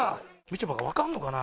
みちょぱがわかるのかな？